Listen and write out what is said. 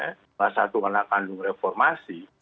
salah satu anak kandung reformasi